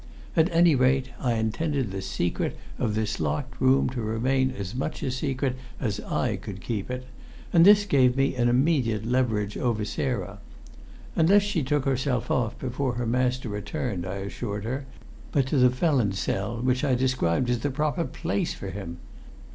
At any rate I intended the secret of this locked room to remain as much a secret as I could keep it, and this gave me an immediate leverage over Sarah. Unless she took herself off before her master returned, I assured her I would have him sent, not to an asylum, but to the felon's cell which I described as the proper place for him.